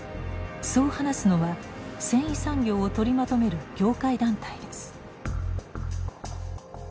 そう話すのは繊維産業を取りまとめる業界団体です。